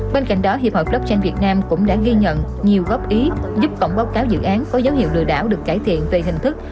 bên cạnh đó hiệp hội blockchain việt nam cũng đã ghi nhận nhiều góp ý giúp cổng báo cáo dự án có dấu hiệu lừa đảo được cải thiện về hình thức